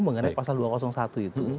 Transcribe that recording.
mengenai pasal dua ratus satu itu